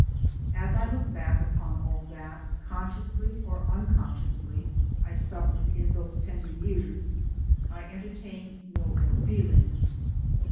As I look back upon all that, consciously or unconsciously, I suffered in those ten der years, I entertain no ill feelings.